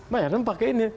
bayarnya pakai ini